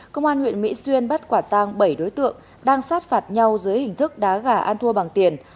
công an huyện mỹ xuyên bắt quả tang bảy đối tượng đang sát phạt nhau dưới hình thức đá gà ăn thua bằng tiền